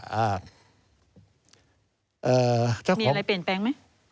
มีอะไรเปลี่ยนแปลงไหม